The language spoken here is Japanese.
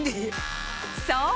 そう！